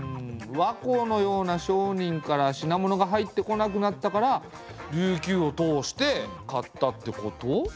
倭寇のような商人から品物が入ってこなくなったから琉球を通して買ったってこと？